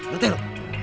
liat deh lo